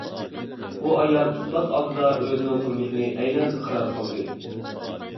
ئۇ ئايال ئىسپات ئالدىدا ئۆزىنىڭ قىلمىشىنى ئەينەن ئىقرار قىلدى.